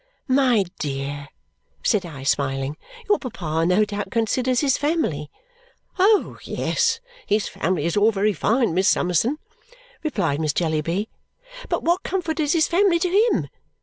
"My dear!" said I, smiling. "Your papa, no doubt, considers his family." "Oh, yes, his family is all very fine, Miss Summerson," replied Miss Jellyby; "but what comfort is his family to him?